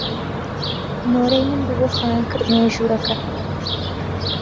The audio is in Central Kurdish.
نۆرەی من بوو بۆ خاوێنکردنەوەی ژوورەکە.